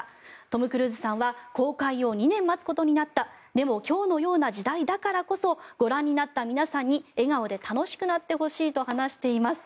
トム・クルーズさんは公開を２年待つことになったでも今日のような時代だからこそご覧になった皆さんに笑顔で楽しくなってほしいと話しています。